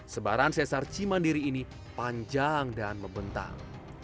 sebaran sesar cimandiri ini panjang dan membentang